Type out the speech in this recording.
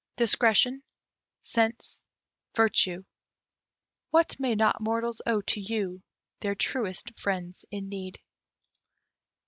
Discretion, Sense, Virtue what may not mortals owe to you, their truest friends in need.